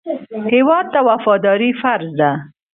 هېواد ته وفاداري فرض ده